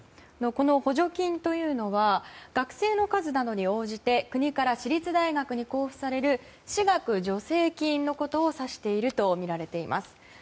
この補助金というのは学生の数などに応じて国から私立大学に交付される私学助成金のことを指しているとみられています。